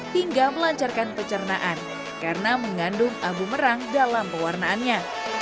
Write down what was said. hingga melancarkan pencernaan karena mengandung abu merang dalam pewarnaannya